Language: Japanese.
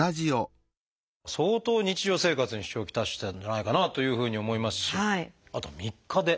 相当日常生活に支障を来してたんじゃないかなというふうに思いますしあと３日で。